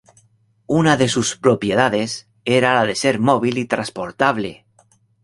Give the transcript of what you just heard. Una de sus propiedades era la de ser móvil y transportable.